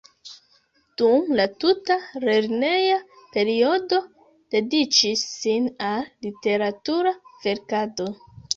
Dum la tuta lerneja periodo dediĉis sin al literatura verkado.